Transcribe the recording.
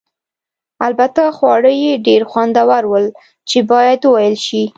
البته خواړه یې ډېر خوندور ول چې باید وویل شي.